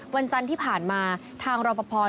วันจันทร์ที่ผ่านมาทางรอปภ